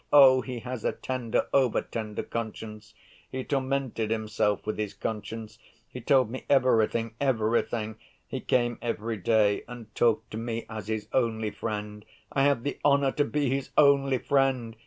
Oh, he has a tender, over‐ tender conscience! He tormented himself with his conscience! He told me everything, everything! He came every day and talked to me as his only friend. I have the honor to be his only friend!"